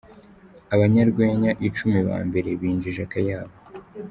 Abanyarwenya icumi ba mbere binjije akayabo:.